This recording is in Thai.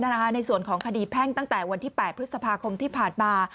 ในส่วนของคดีแพ่งตั้งแต่วันที่๘พฤษภาคมที่ผ่านมา